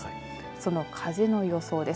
その風の予想です。